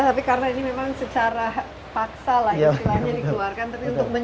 tapi karena ini memang secara paksa lah istilahnya dikeluarkan